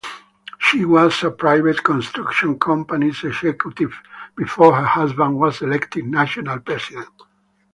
She was a private construction company's executive before her husband was elected national president.